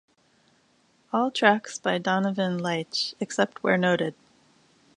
All tracks by Donovan Leitch, except where noted.